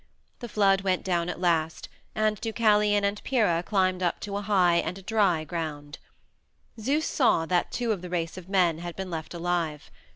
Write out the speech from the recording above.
The flood went down at last, and Deucalion and Pyrrha climbed up to a high and a dry ground. Zeus saw that two of the race of men had been left alive.